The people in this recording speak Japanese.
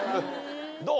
どう？